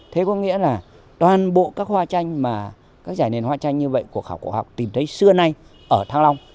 thế có nghĩa là toàn bộ các giải nền hoa tranh như vậy của khảo cổ học tìm thấy xưa nay ở thang long